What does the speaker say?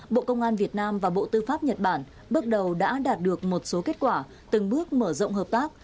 bộ công an việt nam và bộ tư pháp nhật bản bước đầu đã đạt được một số kết quả từng bước mở rộng hợp tác